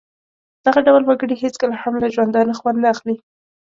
دغه ډول وګړي هېڅکله هم له ژوندانه خوند نه اخلي.